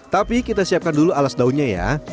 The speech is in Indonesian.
tapi kita siapkan dulu alas daunnya ya